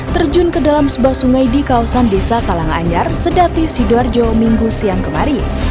terjun ke dalam sebuah sungai di kawasan desa kalangan anyar sedati sidoarjo minggu siang kemarin